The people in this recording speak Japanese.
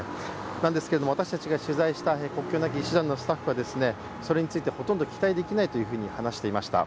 なのですけれども、私たちが取材した国境なき医師団のスタッフはそれについてほとんど期待できないというふうに話していました。